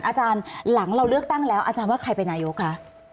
อาจารย์หลังเราเลือกตั้งแล้วอาจารย์ว่าใครเป็นนายกคะ